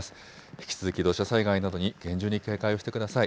引き続き、土砂災害などに厳重に警戒をしてください。